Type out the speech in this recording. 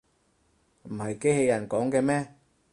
唔係機器人講嘅咩